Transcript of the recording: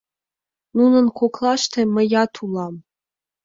Нунын коклаште мыят улам.